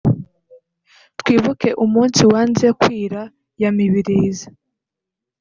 ’Twibuke Umunsi Wanze Kwira’ ya Mibirizi